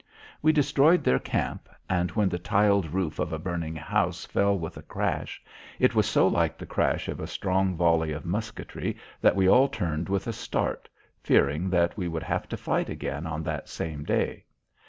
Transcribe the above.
We destroyed their camp, and when the tiled roof of a burning house fell with a crash it was so like the crash of a strong volley of musketry that we all turned with a start, fearing that we would have to fight again on that same day.